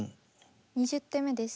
２０手目です。